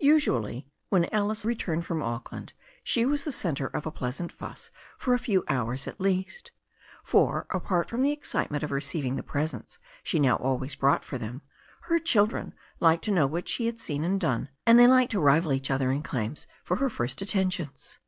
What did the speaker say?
Usually, when Alice returned from Auckland, she was the centre of a pleasant fuss for a few hours at least; for, apart from the excitement of receiving the presents she now always brought for them, her children liked to know what she had seen and done, and they liked to rival each other in claims for her first attentions.